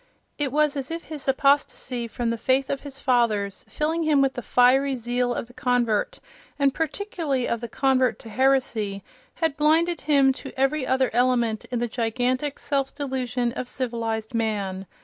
It was as if his apostasy from the faith of his fathers, filling him with the fiery zeal of the convert, and particularly of the convert to heresy, had blinded him to every other element in the gigantic self delusion of civilized man.